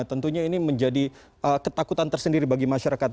tentunya ini menjadi ketakutan tersendiri bagi masyarakat